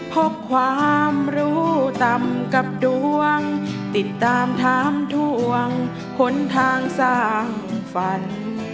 พบความรู้ต่ำกับดวงติดตามถามทวงหนทางสร้างฝัน